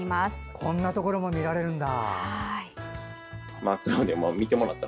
こんなところ見られるんだ。